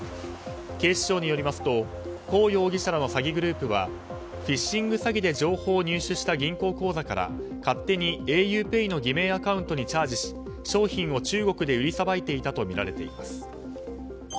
警視庁によりますとコウ容疑者らの詐欺グループはフィッシング詐欺で情報を入手した銀行口座から勝手にａｕＰＡＹの偽名アカウントにチャージし商品を中国で売りさばいていたとみられています。